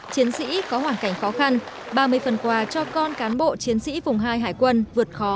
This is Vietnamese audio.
chiến sĩ có hoàn cảnh khó khăn ba mươi phần quà cho con cán bộ chiến sĩ vùng hai hải quân vượt khó